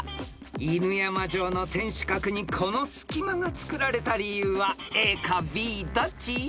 ［犬山城の天守閣にこの隙間がつくられた理由はＡかＢどっち？］